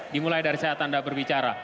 dimulai dari saat anda berbicara